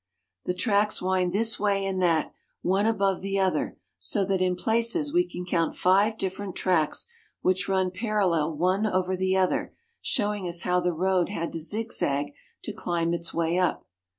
The tracks wind this way and that, one above the other, so that in places we can count five different tracks which run parallel one over the other, showing us how the road had to zigzag to climb its way up.